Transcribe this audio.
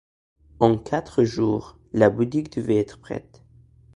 En quatre jours, la boutique devait être prête.